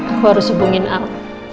aku harus hubungin al